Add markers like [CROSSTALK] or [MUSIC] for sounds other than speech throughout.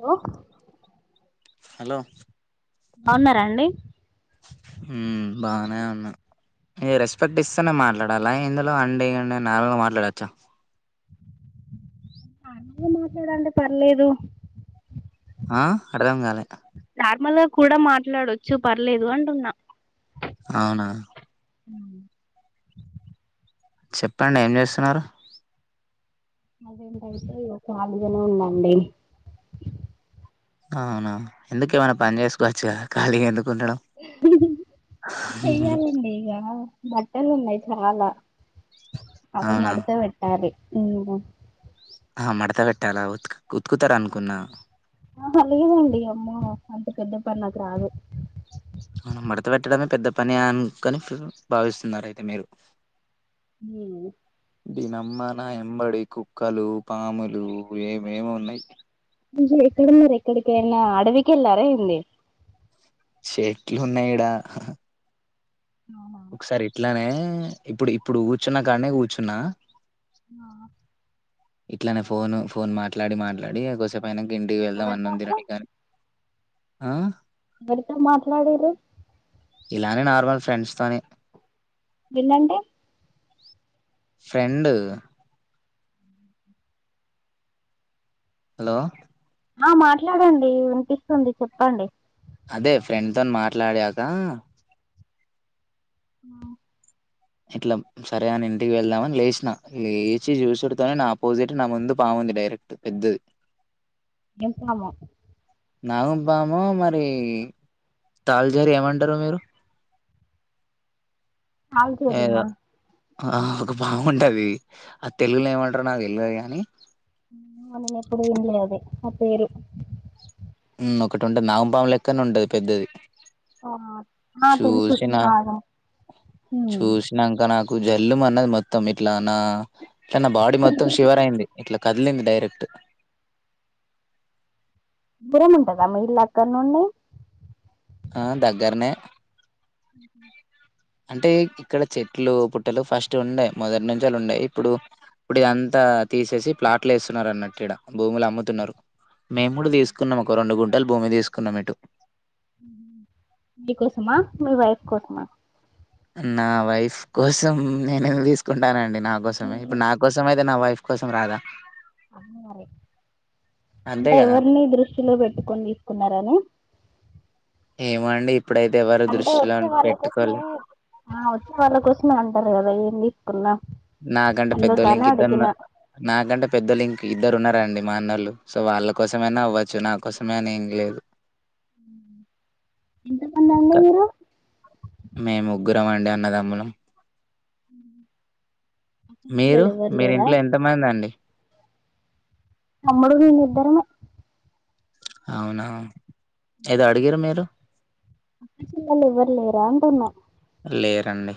Hello hello బాగున్నారా అండి. బాగానే ఉన్నా ఇగ రెస్పెక్ట్ ఇస్తనే మాట్లాడాలా ఇందులో అండి అండి నార్మల్ గా మాట్లాడచ్చా నార్మల్గా మాట్లాడండి పర్లేదు ఆ అర్ధం కాలే నార్మల్ గా కూడా మాట్లాడచ్చు. పర్లేదు అంటున్నా అవునా హ్ చెప్పండి ఏం జే. అర్జెంటైతే ఇగో కాలిగానే ఉన్న ఆండీ. ఆ అవునా ఎందుకు ఏమైనా పని చేసుకోవచ్చు. గాదా కాళిగా ఎందు చెయ్యాలండి ఇక బట్ ఎలు ఉన్నాయి చాల అవి అవునా మడుత వెట్టాలి [UNINTELLIGIBLE] ఆ మడత పెట్టాలా ఉ ఉతుకుతారనుకున్నా ఆ లేదండి అమ్మో అంత పెద్ద పని నాకు రాదు అవును మడత పెట్టడడమే పెద్ద పని అనికని భావిస్తున్నారు అయితే మీరు హ దీ నమ్మాన ఎంబడి కుక్కలు పాములు ఏమేమి ఉన్నాయి ఇజ ఎక్కడున్నారు ఎక్కడికనా అడవికి వెళ్ళారా ఏంది చెట్లు ఉన్నాయిడా అవునా, ఒకసారి ఇట్లానే ఇప్పుడు ఇప్పుడు కూర్చున్నా కానే కూర్చున్నా ఆ ఇట్లానే ఫోను ఫోన్ మాట్లాడి మాట్లాడి కోసేపు ఆన ఇంటికి వెళ్దాం అన్న ఎవరితోటి తిని కానీ ఆ ఎవరితో మాట్లాడరు ఇలానే నార్మల్ ఫ్రెండ్స్ తోని విన్నంటడి ఫ్రెం హలో ఆ మాట్లాడండి వినిపిస్తుంది చెప్పండి అదే ఫ్రెండ్ త మాట్లాడాక ఆ ఇట్లా సరే అని ఇంటికి వెళ్దామని లేచిన లేచి చూసిడుతోనే నా ఆపోజిట్ నా ముందు పాముంది డైరెక్ట్ పెద్దది ఎంతన్నామో నాగం బాము మరి తాళజరి ఏమంటారు మీరు ఏదో అదేరేనా ఆ ఒక బాగుంటది ఆ తెలుగులో ఏమంటారు నాకు తెళదు గాని నేను ఎప్పుడు వినలే అదే నా పేరు ఒకటి ఉంటే నాగంపాం లెక్కనే ఉంటది పెద్దది ఆ నా పెరు చూసి నా చన్నారు నా జల్లుం అన్నది మొత్తం ఇట్లా నా ఇట్లా నా బాడీ మొత్తం షవర్ అయింది ఇట్లా కదిలింది డైరెక్ట్ శబరం ఉంటందా మీ ఇల్ళ అక్కడ నుండి ఆ దగ్గరనే అ అంటే ఇక్కడ చెట్లు పుట్టలు ఫస్ట్ ఉండేయి మొదటి నుంచాలు ఉండయి ఇప్పుడు ఇప్పుడు ఇదంతా తీసేసి ప్లాట్లు వేస్తున్నారు అన్నట్టు ఇడ భూములు అమ్ముతున్నారు మేము కూడా తీసుకున్నాం ఒక రెండు గుంటలు భూమి తీసుకున్నాం ఇటు మీకోసమా మీ వైఫ్ కోసమా నా వైఫ్ కోసం నేనేందీస్కుంటానండి. నాకోసమే ఉమ్. ఇప్పుడ్ నాకోసమై. దె నా వైఫ్ కోసం రాద. అమ్మివరై అంతే అంటె కదా ఎవర్ని దృష్టిలో పెట్టుకొని తీసుకున్నారని. ఏమో అండి ఇప్పుడైతే ఎవరు అంటే దృష్టిలో వచ్చే వాళ్ళ కోసమే పెట్టుకోలే ఆ వచ్చే వాళ్ళ కోసమే అ. తర్ గదా ఏమ్ దీస్కున్నావ్. నాకంటే పెద్దోల్లింకిద్దరున్నార్ నాకంటే పెద్దోల్లింక్ ఇద్దరున్నార్. రండి మా అన్నోల్లు సో వాళ్ళ కోసమైనా అవ్వచ్చు నా కోసమే అనేమ్లేదు. ఎంతమందండి ఇరు. గ్గురమండి అన్నదమ్ములం. ఉమ్ మీరు మీరింట్లో ఎంత మందండి. తమ్ముడు నెనిద్దరమే. ఔనా. ఏదో అడిగిర్రు మీరు. అక్కాచెల్లెల్లెవ్వర్లేరా అంటున్నా. లేరండి.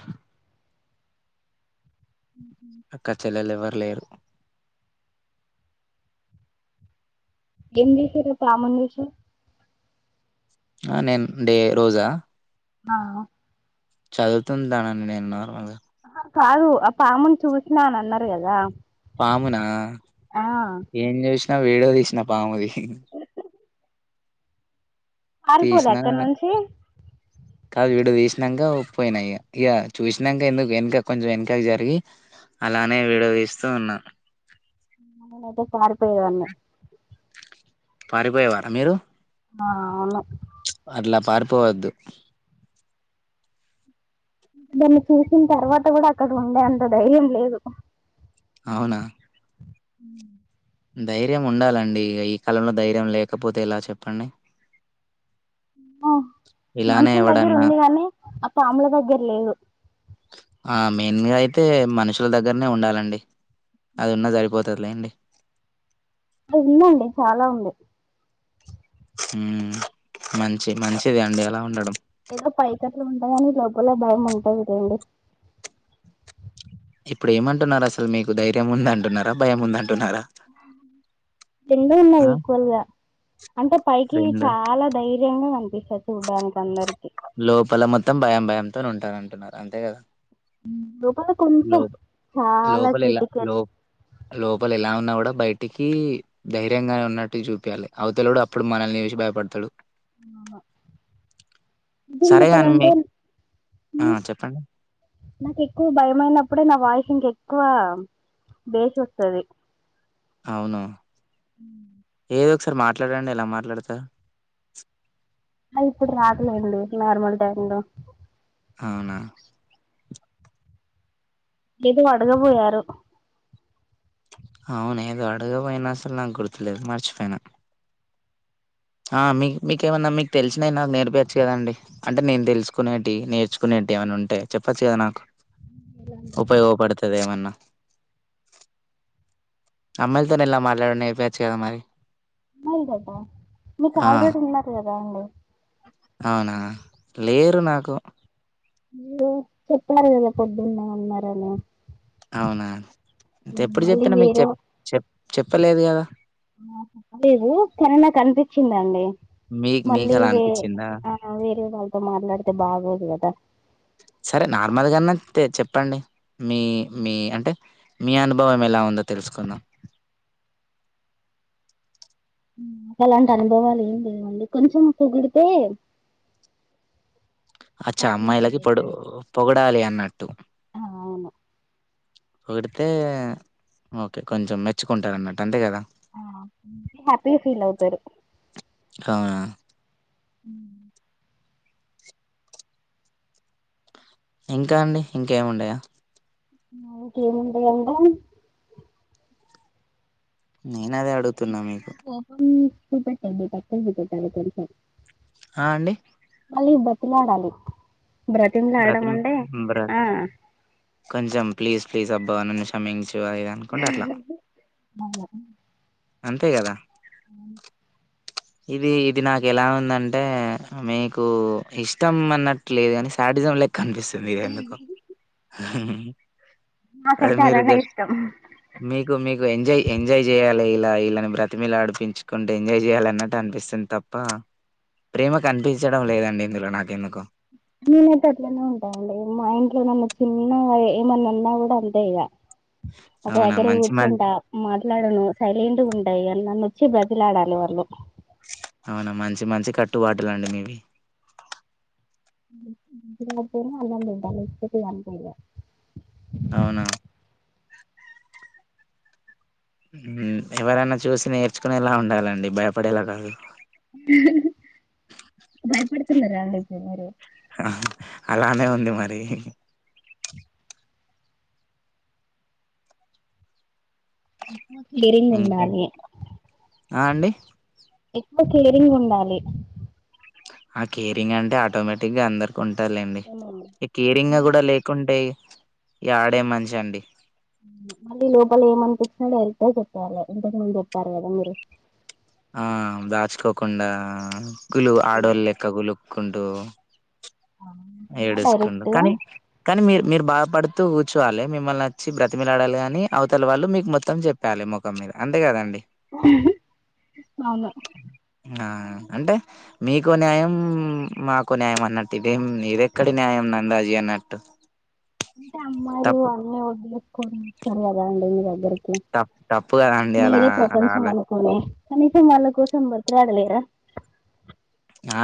ఉమ్ అక్క చెల్లెల్లెవ్వర్ లేరు ఏం దీషిర్రు పామం జేషి. ఆ నేన్ డే రోజ. ఆ చదువ్తుంది దాన [UNINTELLIGIBLE] నేన్ నార్మల్గ. కాదు ఆ పామున్ చూస్నా అనన్నారు గదా. పామునా ఏం జూష్ గ వీడో దీష్నా పాముది. అరిపోదా తీసినా అక్కన్నుంచి కాదు విడు వీస్నాంక ఒ పోయ్ నాయి ఇగ చూస్నాంక ఎందుకు ఎన్క కొంచెం ఎన్కకు జరిగి, అలానే విడ వీస్తూ ఉన్నా నెనయితే పారిపోయేవన్ని పారిపోయేవారా మీరు ఆ అను అట్ల పారిపోవద్దు. దాన్ని చూసిన్ తర్వాత గూడా అక్కడ ఉండే అంత ధైర్యం లేదు. ఔనా. ఉమ్ ఉమ్ ధైర్యముండాలండి ఇగ ఈ కాలంలో ధైర్యం లేకపోతే ఎలా చెప్పండి. అ ఇలానే మనుషుల్ ఎవడన్నా దగ్గిరుంది గానీ అప్ప అమ్ముల దగ్గర్లేదు. ఆ మెయ్న్ గా అయితే మనుషుల దగ్గర్నే ఉండాలండి. అదున్నా సరిపోతద్లేండి. ఉందండి చాలా ఉంది. ఉమ్ మంచి మంచిది అండి అలా ఉండడం. ఏదో పైకట్ల ఉంట గాని లోపల భయముంటంది లేండి. ఇప్పుడు ఏమంటున్నారసలు మీకు ధైర్యం ఉందంటున్నారా భయం ఉందంటున్నారా. ఎన్ని ఉన్నాయి ఈక్వల్గా, అంటే పైకి రెండు చాలా దై విజంగా అనిపిస్సది చూడ్డానికి అందరి లోపల మొత్తం భయం భయంతో ఉంటానంటున్నారు అంతే కదా లోపల లో కొంచెం చాలా లోపల ఎలా క్రిటికల్ లో లోపల ఎలా ఉన్నా కూడా బయటికి ధైర్యంగా ఉన్నట్టు జుపియాలె అవతలకుడ అప్పుడు మనల్ని నేసి భయపడ్తడు. నాహ సరేగాన్ మీ ఆ చెప్పండి. నాకు ఎక్కువ భయమైనప్పుడే నా వాయిస్ ఇంకెక్కువ బేస్ వస్తది. అవును అ ఏదో ఒకసారి మాట్లాడండి ఎలా మాట్లాడత అద్ ఇప్పుడు రాద్ లేండి నార్మల్ టైంలో అవునా ఏదో అడగ పోయారు. అవును ఏదో అడుగ పోయినాస్సలు నాకు గుర్తులేదు మర్చిపెయ్ న ఆ మీ మీకేమన్నా మీకు తెల్సినయ్ నాక్ నేర్పియచ్చు కదండి అంటే నేన్ థెల్సుకునేటి, నేర్చుకునేట్ది ఏమన్నా ఉంటే చెప్పచ్చు కద నాకు, ఉపయోపడుతది ఏమన్నా అమ్మాయిలతోనే ఎలా మాట్లాని నేపియాచ్చు కదా మరి అమ్మాయిల్ తొట మీక్ ఆ! ఆల్రెడి ఉన్నారు కదా అండి. అవునా లేరు నాకు మీరు చెప్పారు కదా పొద్దున్న ఉన్నారని అవునా, తెప్పుడు మళ్ళీ చెప్పిన మీకు చె చెప్ చెప్పలేదు కదా నా ప్పలేదు కనీ నాకు అనిపిచ్చిందండి. మీకు మీకు మళ్ళీ అలా వే అనిపిచ్చిందా? ఆ వేరే వాళ్ళతో మాట్లాడితే బాగోదు కదా ఆ సరే నార్మల్గాన్నా తే చెప్పండి మీ మీ అంటే మీ అనుభవం ఎలా ఉందో తెలుసుకుందాం నాకు అలాంటి అనుభవాలు ఏం లేవండి కొంచెం పొగిడితే అచ్చా హ్యాపీగా ఫీల్ అమ్మాయిలకి ఇపుడు అవుతారు పొగడాలి అన్నట్టు ఆ అవును పొడితే, ఓకే కొంచెం మెచ్చుకుంటారు అన్నట్ అంతే కదా హ్యాపీ ఫీలౌతరు. అవునా ఉ ఇంకా అండి ఇంకేంవుండయ ఇంకేంవుంటయ్ అంటే నేనదే అడుతున్నా మీకు సూపెట్టండి తక్కువ సుపెట్టండి తెల్ స ఆ అండి మళ్ళి బత్తిలాడాలి. బ్రతిమ్లా బ్రతి ఆడడం అంటే ఆ ప్లీజ్లీ ప్లీజ్ అబ్బా నన్ను షమించు అ అంతే కదా హ్మ్ ఇది ఇది నాకు ఎలా ఉందంటే మీకు ఇష్టం అన్నట్లేదు కాని సాడిజం లే కనిపిస్తుంది ఎందుకో అదే నాకైతే మీరు అలానే జస్ట్ ఇష్టం మీకు మీకు ఎంజాయ్ ఎంజాయ్ చేయాలి ఇలా ఇలాని బ్ర మీల ఆడిపించుకుంటు ఎంజాయ్ చేయాలా అన్నటు అనిపిస్తుంది తప్ప ప్రేమ కనిపించడం లేదండి ఇందులో నాక ఎందుకో నేనైతే అట్లనే ఉంటానండి మా ఇంట్లో నన్న చిన్న ఏమన్నా ఉన్నా కూడా అంతే ఇక ఒక అవునా దగ్గర మంచి మం కూర్చుంటా మాట్లాడను సైలంట్ ఉం ఎ నన్ని వచ్చి బతిలాడాలి వాళ్ళు అవునా మంచి మంచి కట్టుబాటులండి మీవి పో [UNINTELLIGIBLE] లేకపోతే అంతే ఇగ అవునా ఎవరైనా చూసి నేర్చుకునేలా ఉండాలండి భయపడేలా కాదు తిన్నారా అండి [UNINTELLIGIBLE] ఆ అలానే ఉంది మరి అ కేరింగ్ ఇంకా ఉండాలి ఆ అండి ఎక్కువ కేరింగ్ ఉండాలి ఆ కేరింగ్ అంటే ఆటోమేటిక్ గా అందరు కొంటాలెండి ఉమ్. ఇ కేరింగా కూడా మళ్ళీ లేకుంటే ఈ ఆడే మంచి అండి మళ్ళీ లోపల ఏమనిపచ్చినో వెళ్తే చెప్పాలి ఎంతకు మంది చెతారు కదా మీరు ఆ దాచుకోకుండా లు ఆడల్లెక్కకులు కుంటు ఏడుసుకుండు డైరెక్ట్ గా కానీ కానీ మీరు మీరు బాధపడుతూ కూర్చోవాలి మిమ్మల్నిచ్చి బ్రతిమిలాడాలి కానీ అవతల వాళ్ళు మీకు మొత్తం చెప్పాలి ముఖం మీద అంతే కదండి అవును ఆ అంటే మీకో న్యాయం మాకు న్యాయం అన్నట్టు ఇదేం ఇది ఎక్కడ న్యాయం నాకి రాజి అనట్టు అంటే అమ్మాయిలు అన్ని వదిలి కొనిస్తారు కదా అండి మీ దగ్గర తప్ తప్పు కదండి అలా మీరే అలా ప్రపంచం అలా అనుకునే కానీ త మల కోసంబర త రాడలే రా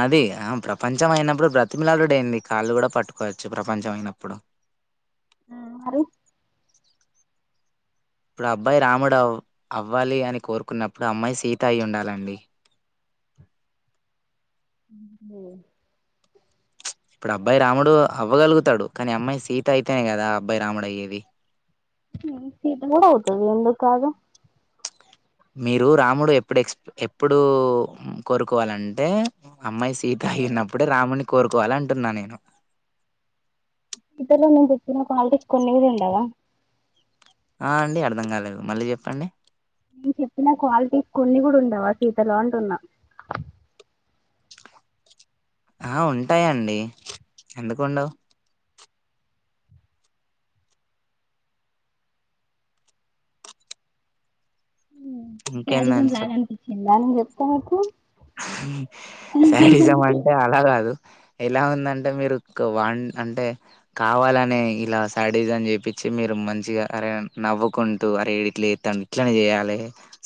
అది ఆ ప్రపంచం అయినప్పుడు బ్రతిమిలాలుడ అయింది కాళ్ళు కూడా పట్టుకోవచ్చు ప్రపంచం అయినప్పుడు మరి ఇప్పుడు అబ్బాయి రాముడువ అవ్వాలి అని కోరుకున్నప్పుడు అమ్మాయి సీత అయి్య ఉండాలండి ఇప్పుడు అబ్బాయి రాముడు అవ్వగలుగుతాడు కానీ అమ్మాయి సీత అయితేనే కదా అబ్బాయి రాముడు అయ్యేది కూడాడ అవుతుది ఎందుక్కగా మీరు రాముడు ఎప్పుడు ఎక్స్ ఎప్పుడు కోరుకోవాలంటే అమ్మాయి సీత అయినప్పుడే రాముణని కోరుకు కోల అంటున్నా నేను ఇతన్లో ఉన్నా చెప్పిన క్వాలిటీస్ కొన్ని కూడా ఉండవా ఆ అండి అర్థం కాలేదు మళ్ళీ చెప్పండి నేను చెప్పిన క్వాలిటీస్ కొన్ని కూడా ఉండవా సీతలో అంటున్నా ఆ ఉంటాయండి ఎందుకు ఉండవ్ [UNINTELLIGIBLE] ఇంకేందని లాగ అన్పిన్చిందా నేన్ చెప్తా నాకు సాడిజం అంటే అలాగద్ రు ఎలా ఉందంటే మీరు కావా ఆ అంటే కావాలనే ఇలా సాడీజం చెప్పించి మీరు మంచిగా అరే నవ్వుకుంటూ అరే ఇట్లా జేతండు ఇట్లనే చేయాలి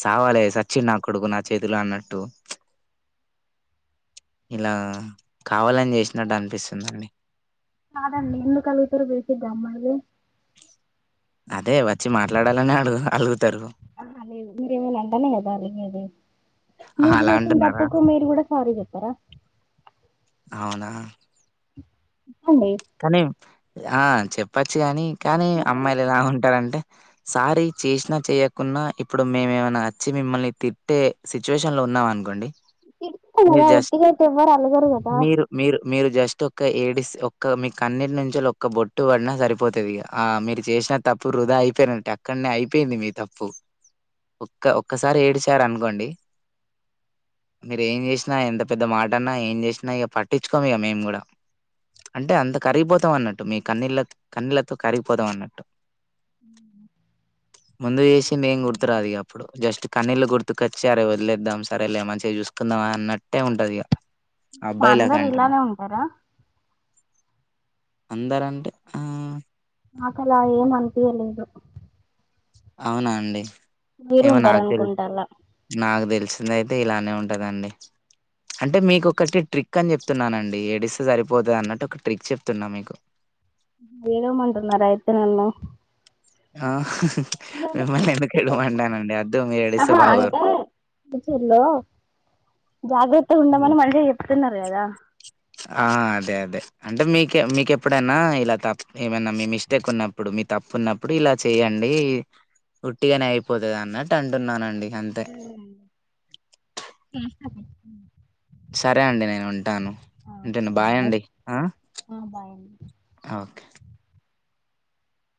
సావాలి సచ్చి నా కొడుకు నా చేతిలో అన్నట్టు ప్చ్ ఇలా కావాలని చేసినట్టు అనిపిస్తుందండి. కాదండి ఎందుకలా జేత్తురో జెప్పిదం మనలేం అదే వచ్చి మాట్లాడాలని అడుగు అడుగుతారు ఆహా లేదు మీరేమైనా అంటేనే కదా అలిగేది మీరు చేసిన తప్పుకు మీరు కూడా సారీ చెప్పారా అవునా చెప్పండి కానీ ఆ చెప్పచ్చు గాని కానీ మరి అమ్మాయిలు ఎలా ఉంటారండి. అంటే సారి చేసినా చేయకున్నా ఇప్పుడు మేమేమైనా అచ్చి మిమ్మల్ని తిట్టే సిచ్యువేషన్ లో ఉన్నాం అనుకోండి. తిడితే గదా ఉట్టిగా అయితే ఎవ్వరు అలగరు కదా. మీరు మీరు జస్ట్ ఒక ఏడిస్త్ ఓక్ మీకు అన్నిటి నుంచిఒక్క బొట్టు పడినా సరిపోతుంది ఇక మీరు చేసిన తప్పు వృధా అయిపోయిరంటే అక్కడనే అయిపోయింది మీ తప్పు ఒక్క ఒక్కసారి ఏడుసారు అనుకోండి మీరు ఏం చేసినా ఎంత పెద్ద మాట అన్నా ఏం చేసినా ఇక పట్టించుకోము ఇక మేము కూడా అంటే అంత కరిగిపోతాం అన్నట్టు మీ కన్నీళ్ల కన్నీళ్లతో కరిగిపోతాం అన్నట్టు ముందు చేసి మేము అనేది గుర్తురాదు ఇ అప్పుడు జస్ట్ కన్నీళ్లు గుర్తుకొచ్చిరే వదిలేద్దాం సరే లే మంచిగా చూసుకుందాం అన్నట్టే ఉంటుంది ఇక అందరు ఇలానే ఉంటారా అందర అంటే ఆ మాకల ఏం అనిపియలేదు. అవునా అండి మీరు ఏమో ఉంటారు నాకు తెలి అనుకుంటా అలా నాకు తెలిసింది అయితే ఇలా. ఏం ఉంటదండి అంటే మీకు ఒకటి ట్రిక్ అని చెప్తున్నానండి ఏడిస్తే సరిపోదు అన్నట్టు ఒక ట్రిక్ చెప్తున్నా మీకు ఏడువమంటున్నారయితే నన్న ఆ మిమ్మల్ని ఎందుకు ఏడవమంటా నండి వద్దు మీరు ఏడిస్తే ఆహా బాగోదు అంటే జాగ్రత్త గ ఉండమని మంచిగ చెప్ చెప్తున్నారుకదా ఆ అదే అదే అంటే మీక మీకెప్పుడైనా ఇలా తప్పు ఏమన్నా మీ మిస్టేక్ ఉన్నప్పుడు మీ తప్పు ఉన్నప్పుడు ఇలా చెయండి ఉట్టిగానే అయిపోతది అన్నట్టు అంటున్నానండి. అంతే సే [UNINTELLIGIBLE] సరే అండి నేను ఉంటాను ఉంటాను సరే అండి బాయండి ఆ ఆ బాయ్ ఓకే